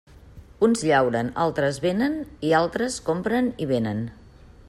Uns llauren, altres venen i altres compren i venen.